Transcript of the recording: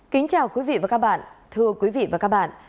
kính chào quý vị và các bạn